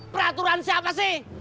peraturan siapa sih